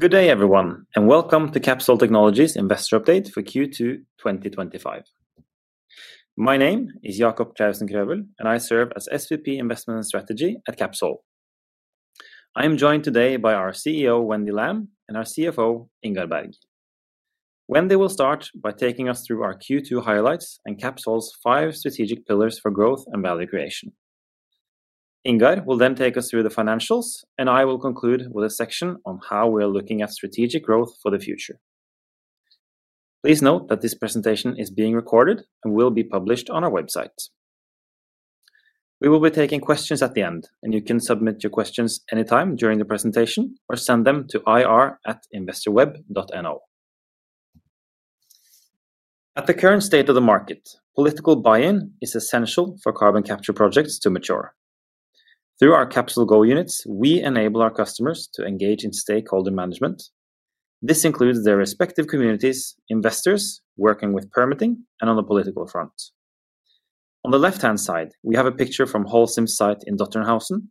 Good day, everyone, and welcome to Capsol Technologies' Investor Update for Q2 2025. My name is Jacob Zeno Clausen Krøvel, and I serve as SVP Investment and Strategy at Capsol. I am joined today by our CEO, Wendy Lam, and our CFO, Ingar Bergh. Wendy will start by taking us through our Q2 highlights and Capsol's five strategic pillars for growth and value creation. Ingar will then take us through the financials, and I will conclude with a section on how we are looking at strategic growth for the future. Please note that this presentation is being recorded and will be published on our website. We will be taking questions at the end, and you can submit your questions anytime during the presentation or send them to ir@investorweb.no. At the current state of the market, political buy-in is essential for carbon capture projects to mature. Through our CapsolGo units, we enable our customers to engage in stakeholder management. This includes their respective communities, investors, working with permitting, and on the political front. On the left-hand side, we have a picture from Holcim's site in Dotternhausen,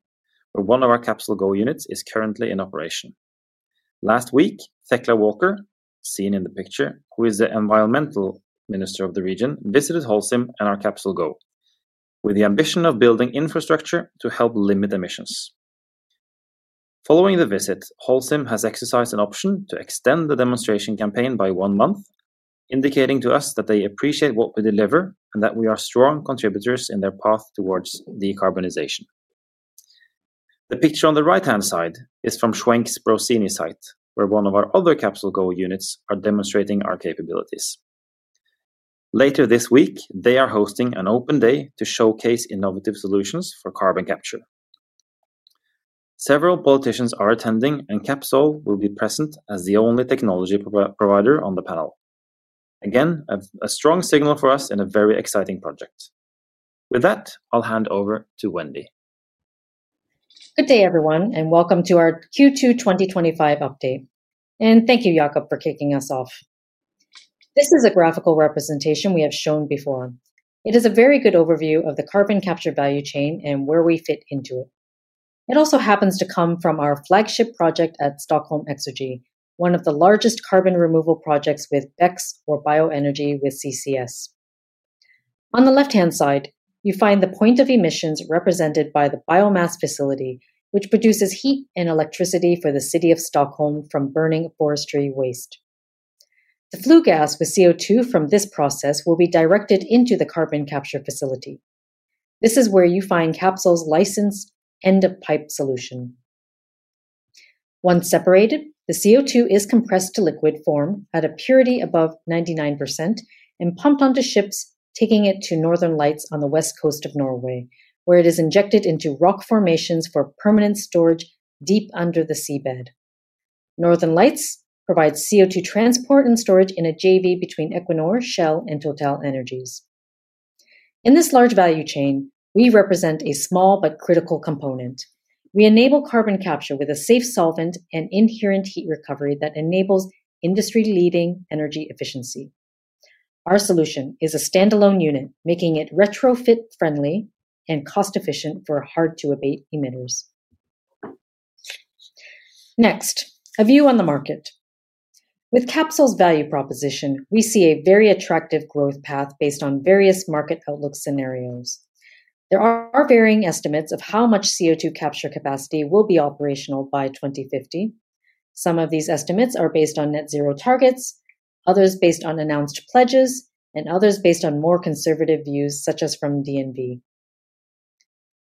where one of our CapsolGo units is currently in operation. Last week, Thekla Walker, seen in the picture, who is the Environmental Minister of the region, visited Holcim and our CapsolGo, with the ambition of building infrastructure to help limit emissions. Following the visit, Holcim has exercised an option to extend the demonstration campaign by one month, indicating to us that they appreciate what we deliver and that we are strong contributors in their path towards decarbonization. The picture on the right-hand side is from Schwenk's Brocēni site, where one of our other CapsolGo units is demonstrating our capabilities. Later this week, they are hosting an open day to showcase innovative solutions for carbon capture. Several politicians are attending, and Capsol will be present as the only technology provider on the panel. Again, a strong signal for us in a very exciting project. With that, I'll hand over to Wendy. Good day, everyone, and welcome to our Q2 2025 Update. Thank you, Jacob, for kicking us off. This is a graphical representation we have shown before. It is a very good overview of the carbon capture value chain and where we fit into it. It also happens to come from our flagship project at Stockholm Exergi, one of the largest carbon removal projects with BECCS, or Bioenergy with CCS. On the left-hand side, you find the point of emissions represented by the biomass facility, which produces heat and electricity for the city of Stockholm from burning forestry waste. The flue gas with CO2 from this process will be directed into the carbon capture facility. This is where you find Capsol's licensed end-of-pipe solution. Once separated, the CO2 is compressed to liquid form at a purity above 99% and pumped onto ships, taking it to Northern Lights on the west coast of Norway, where it is injected into rock formations for permanent storage deep under the seabed. Northern Lights provides CO2 transport and storage in a JV between Equinor, Shell, and Total Energies. In this large value chain, we represent a small but critical component. We enable carbon capture with a safe solvent and inherent heat recovery that enables industry-leading energy efficiency. Our solution is a standalone unit, making it retrofit-friendly and cost-efficient for hard-to-abate emitters. Next, a view on the market. With Capsol's value proposition, we see a very attractive growth path based on various market outlook scenarios. There are varying estimates of how much CO2 capture capacity will be operational by 2050. Some of these estimates are based on net zero targets, others based on announced pledges, and others based on more conservative views, such as from DNV.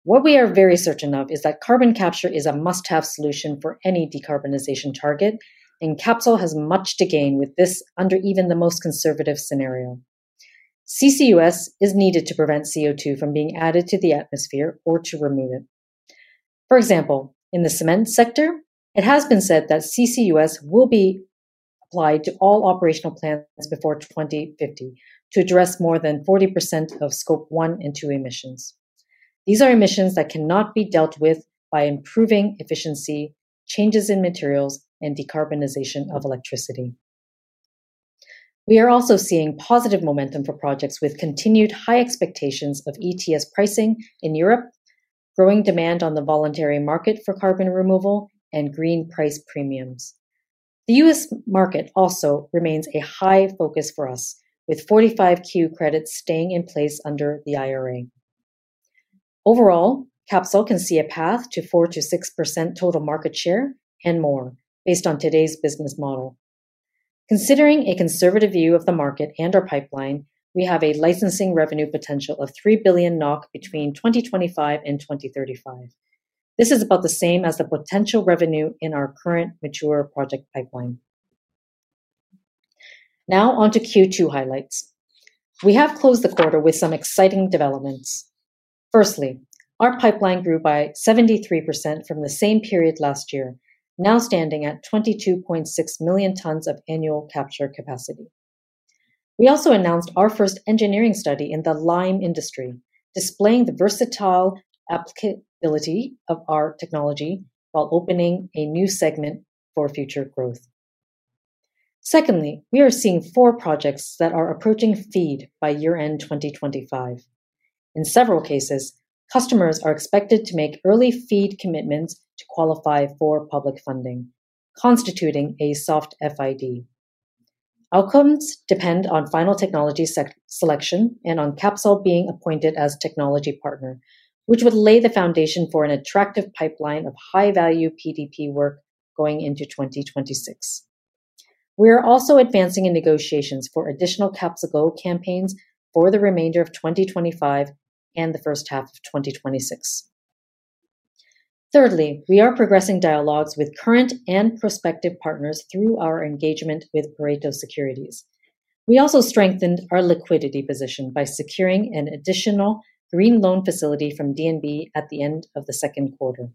What we are very certain of is that carbon capture is a must-have solution for any decarbonization target, and Capsol has much to gain with this under even the most conservative scenario. CCUS is needed to prevent CO2 from being added to the atmosphere or to remove it. For example, in the cement sector, it has been said that CCUS will be applied to all operational plants before 2050 to address more than 40% of scope 1 and 2 emissions. These are emissions that cannot be dealt with by improving efficiency, changes in materials, and decarbonization of electricity. We are also seeing positive momentum for projects with continued high expectations of ETS pricing in Europe, growing demand on the voluntary market for carbon removal, and green price premiums. The U.S. market also remains a high focus for us, with 45Q credits staying in place under the IRA. Overall, Capsol can see a path to 4%-6% total market share and more based on today's business model. Considering a conservative view of the market and our pipeline, we have a licensing revenue potential of 3 billion NOK between 2025 and 2035. This is about the same as the potential revenue in our current mature project pipeline. Now on to Q2 highlights. We have closed the quarter with some exciting developments. Firstly, our pipeline grew by 73% from the same period last year, now standing at 22.6 million tons of annual capture capacity. We also announced our first engineering study in the lime industry, displaying the versatile applicability of our technology while opening a new segment for future growth. Secondly, we are seeing four projects that are approaching FEED by year-end 2025. In several cases, customers are expected to make early FEED commitments to qualify for public funding, constituting a soft FID. Outcomes depend on final technology selection and on Capsol being appointed as a technology partner, which would lay the foundation for an attractive pipeline of high-value PDP work going into 2026. We are also advancing in negotiations for additional CapsolGo campaigns for the remainder of 2025 and the first half of 2026. Thirdly, we are progressing dialogues with current and prospective partners through our engagement with Pareto Securities. We also strengthened our liquidity position by securing an additional green loan facility from DNV at the end of the second quarter.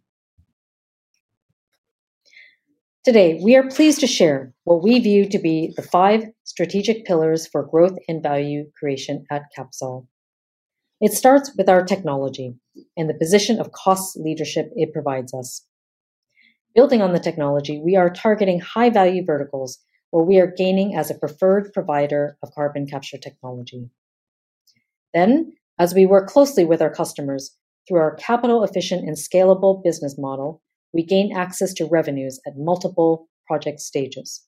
Today, we are pleased to share what we view to be the five strategic pillars for growth and value creation at Capsol. It starts with our technology and the position of cost leadership it provides us. Building on the technology, we are targeting high-value verticals where we are gaining as a preferred provider of carbon capture technology. Then, as we work closely with our customers through our capital-efficient and scalable business model, we gain access to revenues at multiple project stages.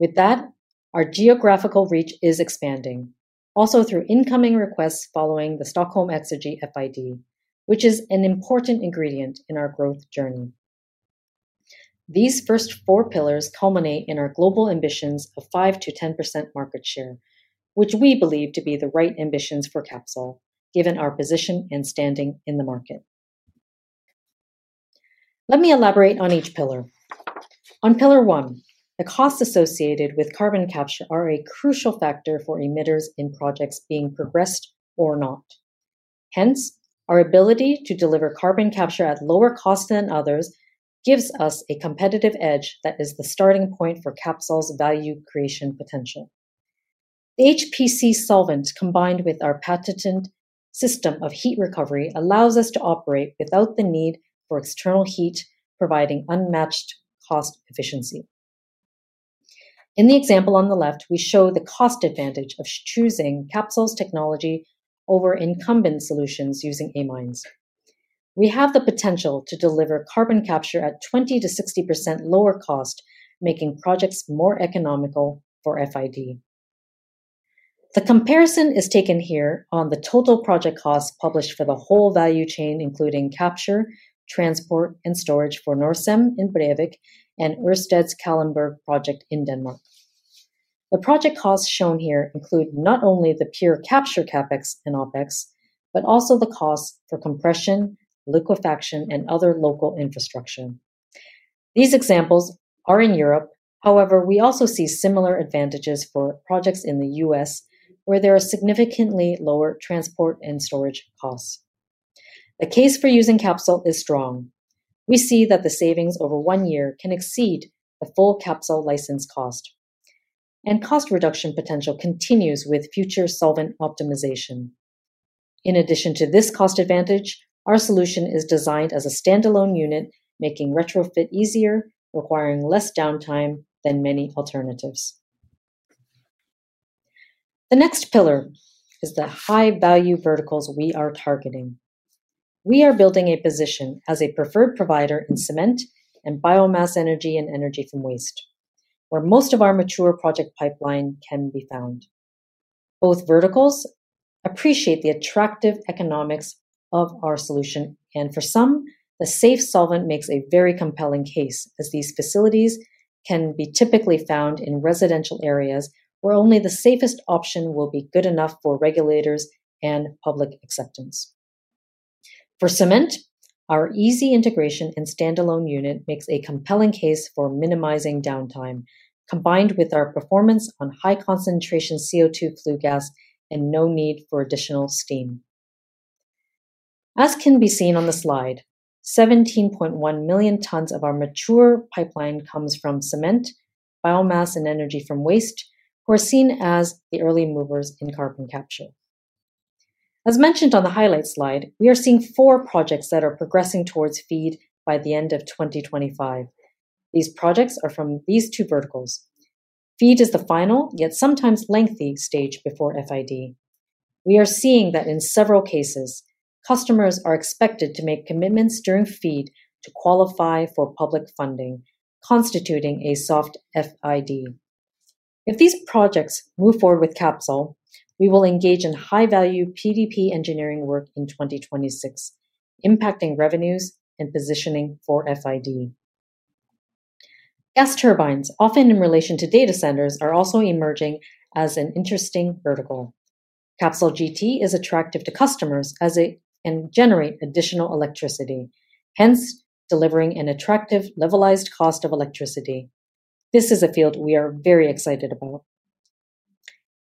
With that, our geographical reach is expanding, also through incoming requests following the Stockholm Exergi FID, which is an important ingredient in our growth journey. These first four pillars culminate in our global ambitions of 5%-10% market share, which we believe to be the right ambitions for Capsol, given our position and standing in the market. Let me elaborate on each pillar. On pillar one, the costs associated with carbon capture are a crucial factor for emitters in projects being progressed or not. Hence, our ability to deliver carbon capture at lower costs than others gives us a competitive edge that is the starting point for Capsol's value creation potential. The HPC solvent, combined with our patented system of heat recovery, allows us to operate without the need for external heat, providing unmatched cost efficiency. In the example on the left, we show the cost advantage of choosing Capsol's technology over incumbent solutions using amines. We have the potential to deliver carbon capture at 20%-60% lower cost, making projects more economical for FID. The comparison is taken here on the total project costs published for the whole value chain, including capture, transport, and storage for Norcem in Brevik and Ørsteds Kalundborg project in Denmark. The project costs shown here include not only the pure capture CapEx and OpEx, but also the costs for compression, liquefaction, and other local infrastructure. These examples are in Europe. However, we also see similar advantages for projects in the U.S., where there are significantly lower transport and storage costs. The case for using Capsol is strong. We see that the savings over one year can exceed the full Capsol license cost, and cost reduction potential continues with future solvent optimization. In addition to this cost advantage, our solution is designed as a standalone unit, making retrofit easier, requiring less downtime than many alternatives. The next pillar is the high-value verticals we are targeting. We are building a position as a preferred provider in cement and biomass energy and energy from waste, where most of our mature project pipeline can be found. Both verticals appreciate the attractive economics of our solution, and for some, the safe solvent makes a very compelling case, as these facilities can be typically found in residential areas where only the safest option will be good enough for regulators and public acceptance. For cement, our easy integration and standalone unit make a compelling case for minimizing downtime, combined with our performance on high-concentration CO2 flue gas and no need for additional steam. As can be seen on the slide, 17.1 million tons of our mature pipeline come from cement, biomass, and energy from waste, who are seen as the early movers in carbon capture. As mentioned on the highlight slide, we are seeing four projects that are progressing towards FEED by the end of 2025. These projects are from these two verticals. FEED is the final, yet sometimes lengthy stage before FID. We are seeing that in several cases, customers are expected to make commitments during FEED to qualify for public funding, constituting a soft FID. If these projects move forward with Capsol, we will engage in high-value PDP engineering work in 2026, impacting revenues and positioning for FID. Gas turbines, often in relation to data centers, are also emerging as an interesting vertical. CapsolGT is attractive to customers as it can generate additional electricity, hence delivering an attractive levelized cost of electricity. This is a field we are very excited about.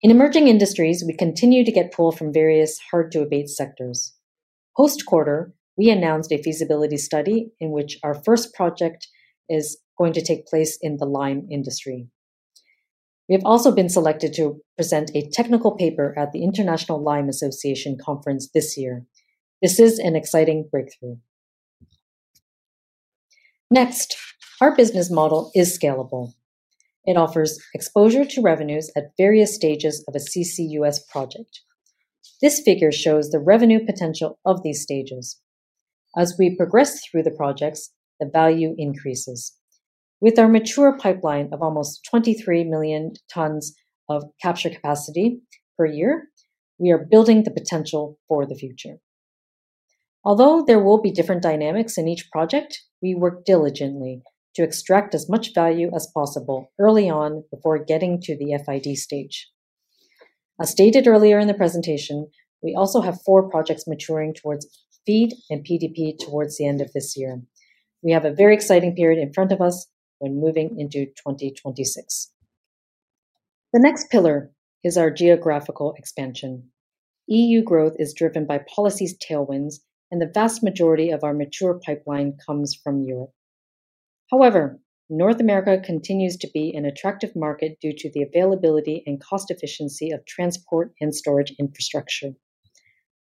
In emerging industries, we continue to get pull from various hard-to-abate sectors. Post-quarter, we announced a feasibility study in which our first project is going to take place in the lime industry. We have also been selected to present a technical paper at the International Lime Association Conference this year. This is an exciting breakthrough. Next, our business model is scalable. It offers exposure to revenues at various stages of a CCUS project. This figure shows the revenue potential of these stages. As we progress through the projects, the value increases. With our mature pipeline of almost 23 million tons of capture capacity per year, we are building the potential for the future. Although there will be different dynamics in each project, we work diligently to extract as much value as possible early on before getting to the FID stage. As stated earlier in the presentation, we also have four projects maturing towards FEED and PDP towards the end of this year. We have a very exciting period in front of us when moving into 2026. The next pillar is our geographical expansion. EU growth is driven by policy's tailwinds, and the vast majority of our mature pipeline comes from Europe. However, North America continues to be an attractive market due to the availability and cost efficiency of transport and storage infrastructure.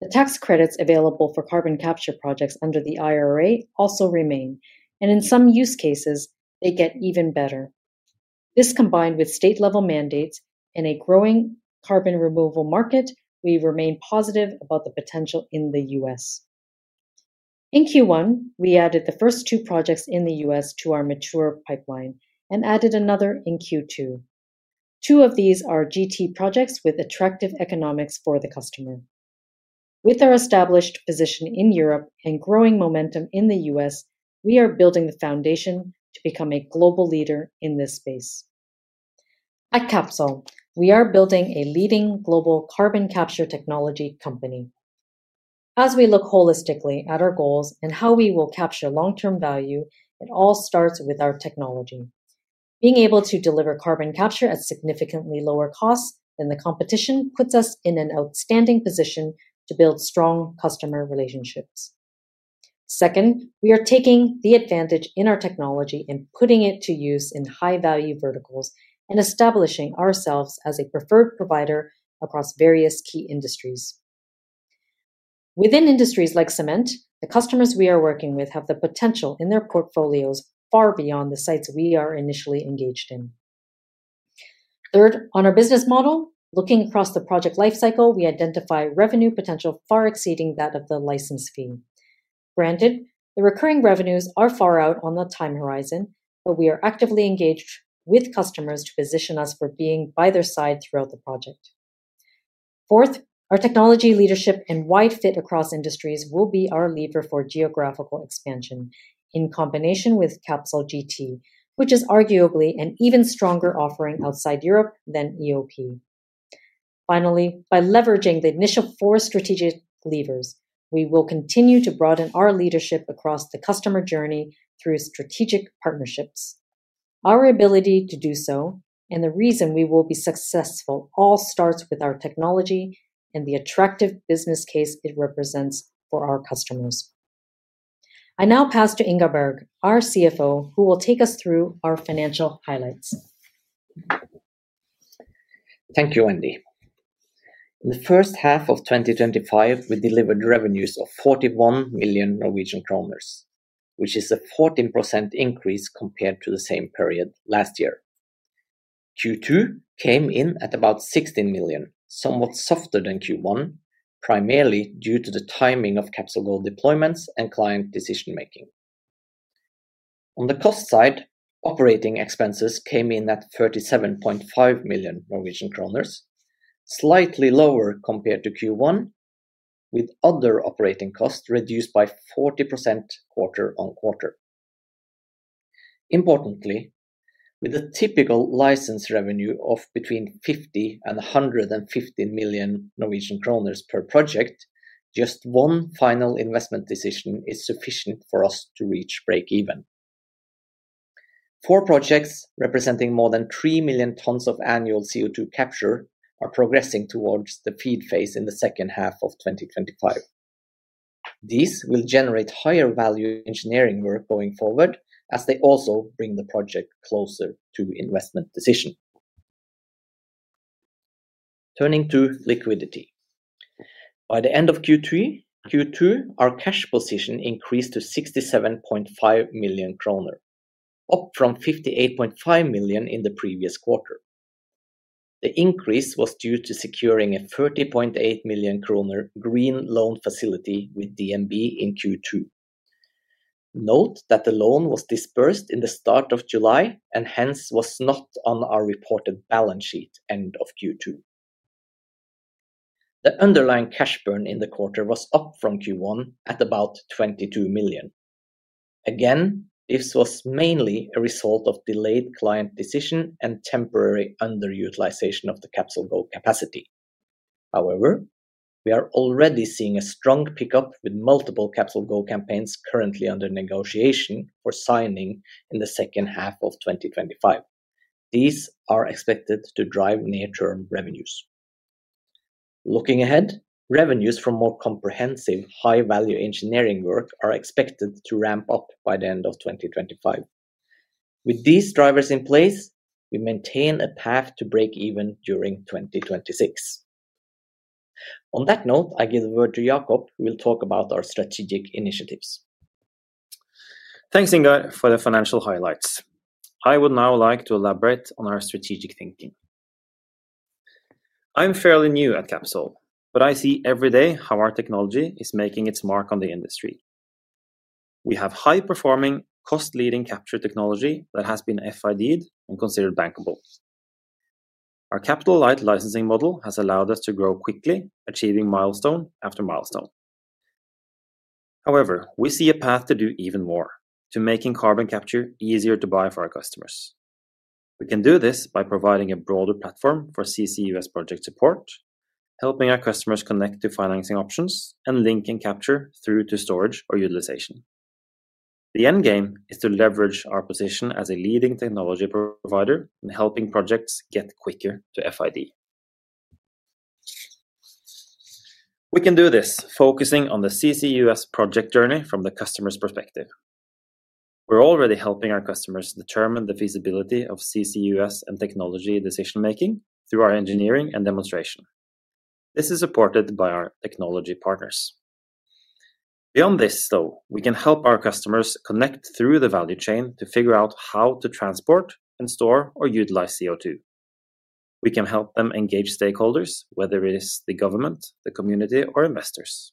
The tax credits available for carbon capture projects under the IRA also remain, and in some use cases, they get even better. This, combined with state-level mandates and a growing carbon removal market, we remain positive about the potential in the U.S. In Q1, we added the first two projects in the U.S. to our mature pipeline and added another in Q2. Two of these are GT projects with attractive economics for the customer. With our established position in Europe and growing momentum in the U.S., we are building the foundation to become a global leader in this space. At Capsol, we are building a leading global carbon capture technology company. As we look holistically at our goals and how we will capture long-term value, it all starts with our technology. Being able to deliver carbon capture at significantly lower costs than the competition puts us in an outstanding position to build strong customer relationships. Second, we are taking the advantage in our technology and putting it to use in high-value verticals and establishing ourselves as a preferred provider across various key industries. Within industries like cement, the customers we are working with have the potential in their portfolios far beyond the sites we are initially engaged in. Third, on our business model, looking across the project lifecycle, we identify revenue potential far exceeding that of the license fee. Granted, the recurring revenues are far out on the time horizon, but we are actively engaged with customers to position us for being by their side throughout the project. Fourth, our technology leadership and wide fit across industries will be our lever for geographical expansion in combination with CapsolGT, which is arguably an even stronger offering outside Europe than EoP. Finally, by leveraging the initial four strategic levers, we will continue to broaden our leadership across the customer journey through strategic partnerships. Our ability to do so and the reason we will be successful all start with our technology and the attractive business case it represents for our customers. I now pass to Ingar Bergh, our CFO, who will take us through our financial highlights. Thank you, Wendy. In the first half of 2025, we delivered revenues of 41 million Norwegian kroner, which is a 14% increase compared to the same period last year. Q2 came in at about 16 million, somewhat softer than Q1, primarily due to the timing of CapsolGo deployments and client decision-making. On the cost side, operating expenses came in at 37.5 million Norwegian kroner, slightly lower compared to Q1, with other operating costs reduced by 40% quarter-on-quarter. Importantly, with a typical license revenue of between 50 million-115 million Norwegian kroner per project, just one final investment decision is sufficient for us to reach break-even. Four projects representing more than 3 million tons of annual CO2 capture are progressing towards the FEED phase in the second half of 2025. These will generate higher value engineering work going forward, as they also bring the project closer to investment decision. Turning to liquidity. By the end of Q3, our cash position increased to 67.5 million kroner, up from 58.5 million in the previous quarter. The increase was due to securing a 30.8 million kroner green loan facility with DNV in Q2. Note that the loan was disbursed in the start of July and hence was not on our reported balance sheet end of Q2. The underlying cash burn in the quarter was up from Q1 at about 22 million. Again, this was mainly a result of delayed client decision and temporary underutilization of the CapsolGo capacity. However, we are already seeing a strong pickup with multiple CapsolGo campaigns currently under negotiation or signing in the second half of 2025. These are expected to drive near-term revenues. Looking ahead, revenues from more comprehensive high-value engineering work are expected to ramp up by the end of 2025. With these drivers in place, we maintain a path to break even during 2026. On that note, I give it over to Jacob, who will talk about our strategic initiatives. Thanks, Ingar, for the financial highlights. I would now like to elaborate on our strategic thinking. I'm fairly new at Capsol, but I see every day how our technology is making its mark on the industry. We have high-performing, cost-leading capture technology that has been FID'd and considered bankable. Our Capital Light licensing model has allowed us to grow quickly, achieving milestone after milestone. However, we see a path to do even more, to making carbon capture easier to buy for our customers. We can do this by providing a broader platform for CCUS project support, helping our customers connect to financing options and linking capture through to storage or utilization. The end game is to leverage our position as a leading technology provider in helping projects get quicker to FID. We can do this focusing on the CCUS project journey from the customer's perspective. We're already helping our customers determine the feasibility of CCUS and technology decision-making through our engineering and demonstration. This is supported by our technology partners. Beyond this, though, we can help our customers connect through the value chain to figure out how to transport and store or utilize CO2. We can help them engage stakeholders, whether it is the government, the community, or investors.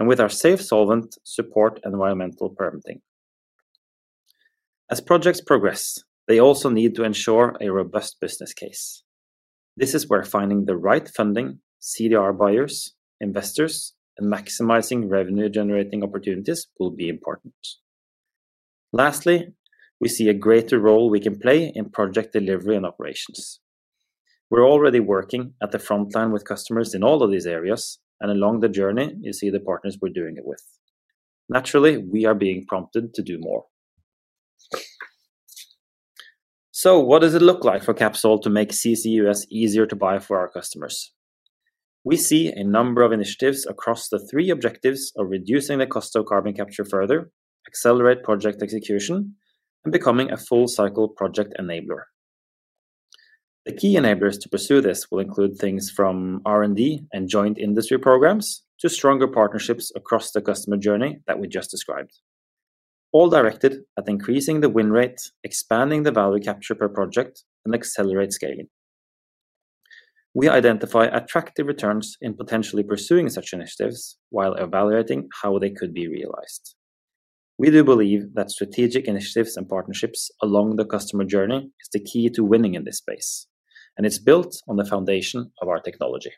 With our safe solvent support, environmental permitting. As projects progress, they also need to ensure a robust business case. This is where finding the right funding, CDR buyers, investors, and maximizing revenue-generating opportunities will be important. Lastly, we see a greater role we can play in project delivery and operations. We're already working at the front line with customers in all of these areas, and along the journey, you see the partners we're doing it with. Naturally, we are being prompted to do more. What does it look like for Capsol to make CCUS easier to buy for our customers? We see a number of initiatives across the three objectives of reducing the cost of carbon capture further, accelerate project execution, and becoming a full-cycle project enabler. The key enablers to pursue this will include things from R&D and joint industry programs to stronger partnerships across the customer journey that we just described, all directed at increasing the win rate, expanding the value capture per project, and accelerate scaling. We identify attractive returns in potentially pursuing such initiatives while evaluating how they could be realized. We do believe that strategic initiatives and partnerships along the customer journey are the key to winning in this space, and it's built on the foundation of our technology.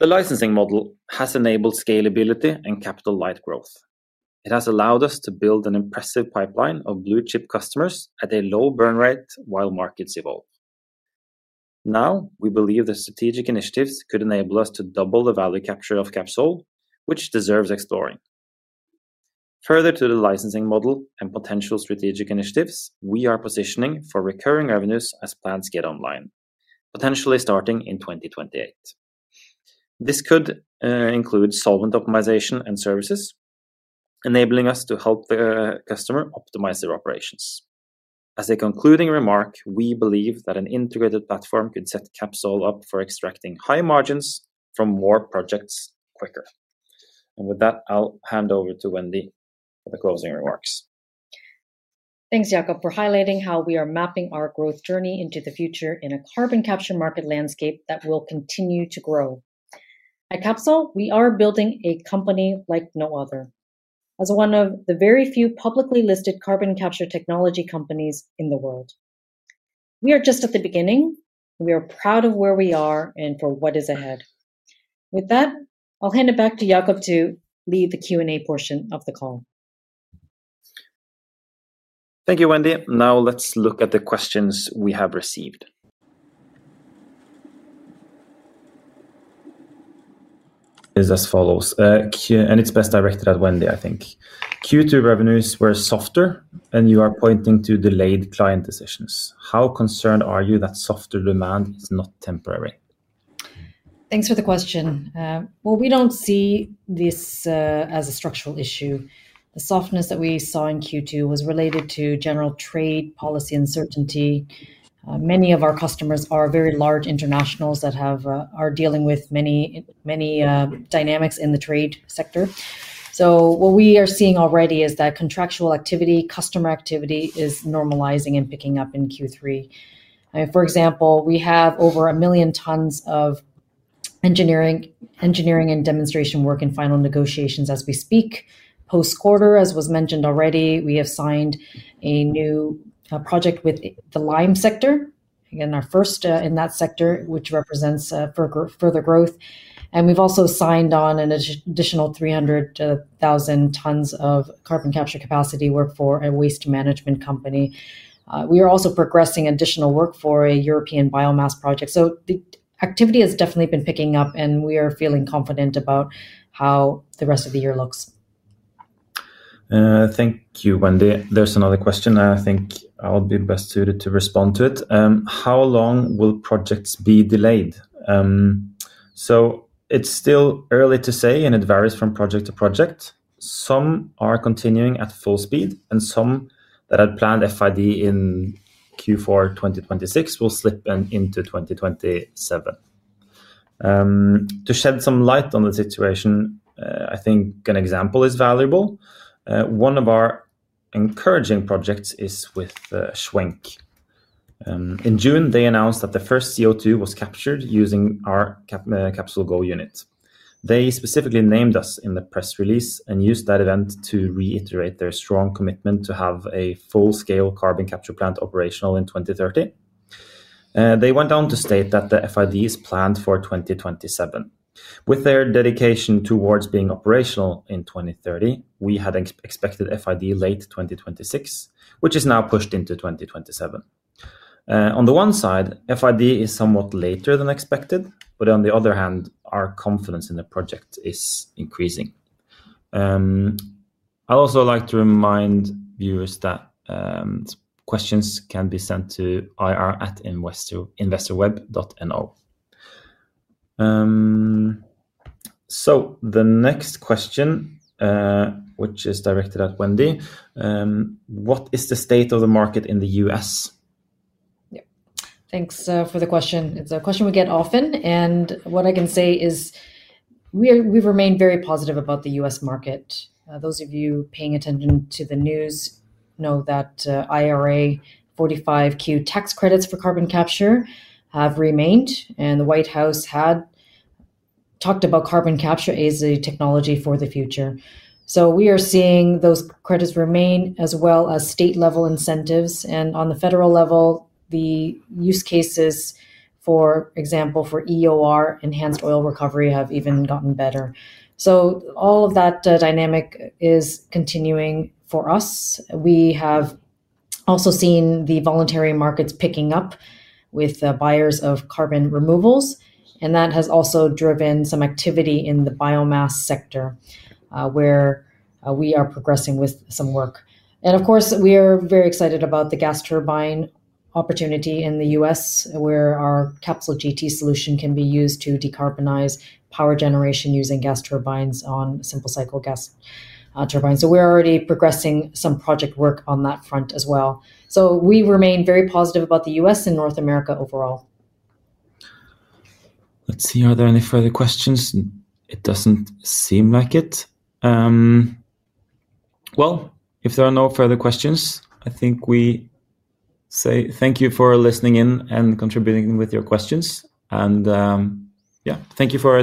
The licensing model has enabled scalability and Capital Light growth. It has allowed us to build an impressive pipeline of blue-chip customers at a low burn rate while markets evolve. We believe the strategic initiatives could enable us to double the value capture of Capsol, which deserves exploring. Further to the licensing model and potential strategic initiatives, we are positioning for recurring revenues as plans get online, potentially starting in 2028. This could include solvent optimization and services, enabling us to help the customer optimize their operations. As a concluding remark, we believe that an integrated platform could set Capsol up for extracting high margins from more projects quicker. With that, I'll hand over to Wendy for closing remarks. Thanks, Jacob, for highlighting how we are mapping our growth journey into the future in a carbon capture market landscape that will continue to grow. At Capsol, we are building a company like no other, as one of the very few publicly listed carbon capture technology companies in the world. We are just at the beginning. We are proud of where we are and for what is ahead. With that, I'll hand it back to Jacob to lead the Q&A portion of the call. Thank you, Wendy. Now let's look at the questions we have received. It is as follows, and it's best directed at Wendy, I think. Q2 revenues were softer, and you are pointing to delayed client decisions. How concerned are you that softer demand is not temporary? Thanks for the question. We don't see this as a structural issue. The softness that we saw in Q2 was related to general trade policy uncertainty. Many of our customers are very large internationals that are dealing with many dynamics in the trade sector. What we are seeing already is that contractual activity, customer activity is normalizing and picking up in Q3. For example, we have over 1 million tons of engineering and demonstration work in final negotiations as we speak. Post-quarter, as was mentioned already, we have signed a new project with the lime sector, our first in that sector, which represents further growth. We've also signed on an additional 300,000 tons of carbon capture capacity work for a waste management company. We are also progressing additional work for a European biomass project. The activity has definitely been picking up, and we are feeling confident about how the rest of the year looks. Thank you, Wendy. There's another question, and I think I'll be best suited to respond to it. How long will projects be delayed? It's still early to say, and it varies from project to project. Some are continuing at full speed, and some that had planned FID in Q4 2026 will slip into 2027. To shed some light on the situation, I think an example is valuable. One of our encouraging projects is with Schwenk. In June, they announced that the first CO2 was captured using our CapsolGo unit. They specifically named us in the press release and used that event to reiterate their strong commitment to have a full-scale carbon capture plant operational in 2030. They went on to state that the FID is planned for 2027. With their dedication towards being operational in 2030, we had expected FID late 2026, which is now pushed into 2027. On the one side, FID is somewhat later than expected, but on the other hand, our confidence in the project is increasing. I'd also like to remind viewers that questions can be sent to ir@investorweb.no. The next question, which is directed at Wendy, what is the state of the market in the U.S.? Yeah, thanks for the question. It's a question we get often, and what I can say is we remain very positive about the U.S. market. Those of you paying attention to the news know that IRA 45Q tax credits for carbon capture have remained, and the White House had talked about carbon capture as a technology for the future. We are seeing those credits remain as well as state-level incentives, and on the federal level, the use cases, for example, for EOR, enhanced oil recovery, have even gotten better. All of that dynamic is continuing for us. We have also seen the voluntary markets picking up with buyers of carbon removals, and that has also driven some activity in the biomass sector, where we are progressing with some work. We are very excited about the gas turbine opportunity in the U.S., where our CapsolGT solution can be used to decarbonize power generation using gas turbines on simple cycle gas turbines. We're already progressing some project work on that front as well. We remain very positive about the U.S. and North America overall. Let's see, are there any further questions? It doesn't seem like it. If there are no further questions, I think we say thank you for listening in and contributing with your questions. Thank you for.